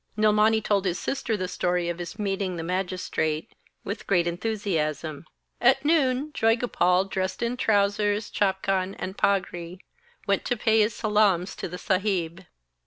Nilmani told his sister the story of his meeting the Magistrate with great enthusiasm. At noon, Joygopal, dressed in trousers, chapkan, and pagri, went to pay his salams to the Saheb.